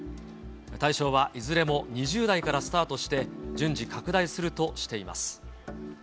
対象はいずれも２０代からスタートして、順次、拡大するとしています。